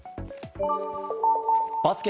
バスケ